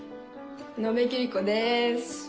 野辺桐子です。